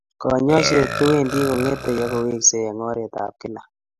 Konyoiset kowendi kongetei akoweksei eng oretab kila